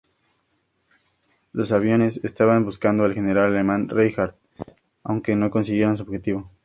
Los aviones estaban buscando al general alemán Reinhard, aunque no consiguieron su objetivo.